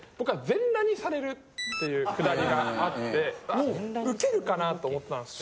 っていうくだりがあってウケるかなと思ったんです。